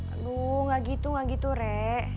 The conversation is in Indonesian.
aduh gak gitu gak gitu re